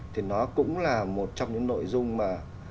thì nó cũng là một trong những nội dung mà